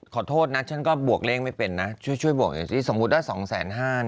ขอโทษนะฉันก็บวกเลขไม่เป็นนะช่วยช่วยบอกอย่างสิสมมติว่าสองแสน